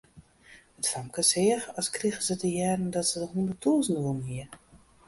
It famke seach as krige se te hearren dat se de hûnderttûzen wûn hie.